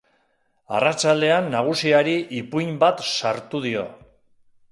Arratsaldean nagusiari ipuin bat sartu dio.